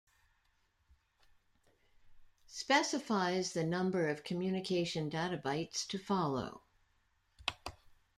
Specifies the number of communication data bytes to follow.